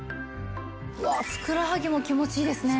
うわあふくらはぎも気持ちいいですね。